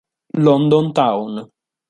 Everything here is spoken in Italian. London Town